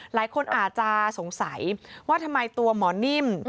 หลายคนอาจจะสงสัยว่าทำไมตัวหมอนิ่ม